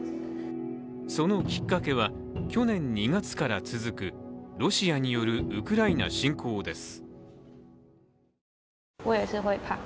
そのきっかけは去年２月から続くロシアによるウクライナ侵攻です。